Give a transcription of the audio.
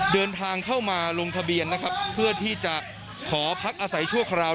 เดินทางเข้ามาลงทะเบียนนะครับเพื่อที่จะขอพักอาศัยชั่วคราว